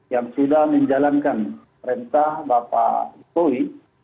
yang sudah menjalankan perintah bapak jokowi